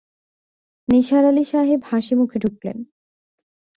নিসার আলি সাহেব হাসিমুখে ঢুকলেন।